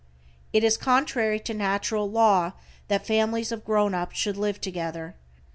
It is contrary to natural law that families of grown ups, should live together.